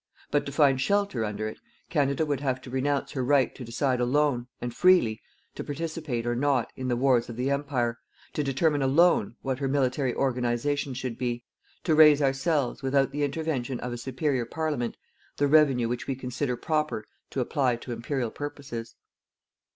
But to find shelter under it, Canada would have to renounce her right to decide alone, and freely, to participate, or not, in the wars of the Empire, to determine alone what her military organization should be, to raise ourselves, without the intervention of a superior Parliament, the revenue which we consider proper to apply to Imperial purposes.